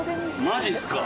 マジっすか。